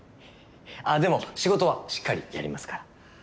あっでも仕事はしっかりやりますから。